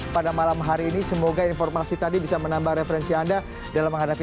pada malam hari ini semoga informasi tadi bisa menambah referensi anda dalam menghadapi